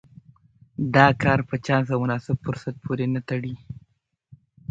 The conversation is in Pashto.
دا کار په چانس او مناسب فرصت پورې نه تړي.